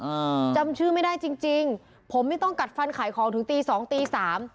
อ่าจำชื่อไม่ได้จริงจริงผมไม่ต้องกัดฟันขายของถึงตีสองตีสาม